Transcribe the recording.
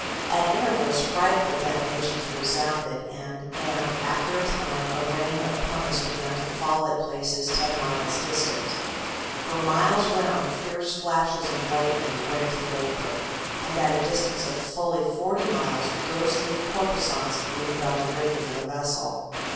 At intervals frightful detonations resounded, and after a time a rain of pumice began to fall at places ten miles distant. For miles round fierce flashes of lightning rent the vapor, and at a distance of fully forty miles ghostly corposants gleamed on the rigging of a vessel.